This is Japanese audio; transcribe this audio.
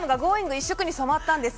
一色に染まったんです。